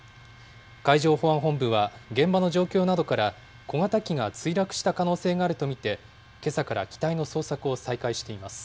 海上保安本部は、現場の状況などから、小型機が墜落した可能性があると見て、けさから機体の捜索を再開しています。